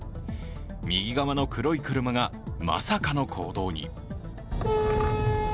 右側の黒い車が、まさかの行動に。